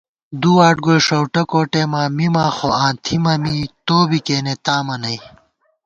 دُو واٹ گوئی شؤٹہ کوٹېما، مِما خو آں تھِمہ می، تو بی کېنےتامہ نئ